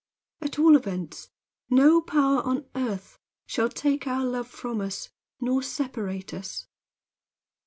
At all events no power on earth shall take our love from us nor separate us."